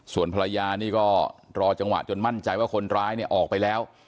ส่วนภรรยานี่ก็รอจังหวะจนมั่นใจว่าคนร้ายเนี่ยออกไปแล้ว